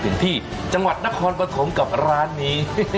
ถึงที่จังหวัดนครปฐมกับร้านนี้